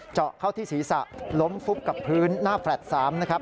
เจาะเข้าที่ศีรษะล้มฟุบกับพื้นหน้าแฟลต์๓นะครับ